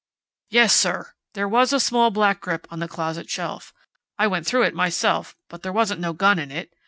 "Yes, sir! There was a little black grip on the closet shelf. I went through it myself, but there wasn't no gun in it.